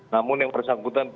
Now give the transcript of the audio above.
namun yang bersangkutan tidak